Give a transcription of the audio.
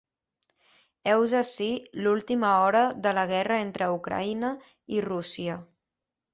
Heus ací l’última hora de la guerra entre Ucraïna i Rússia.